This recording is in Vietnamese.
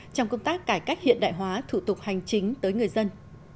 trong công tác cải cách hiện đại hóa thủ tục hành chính tới người dân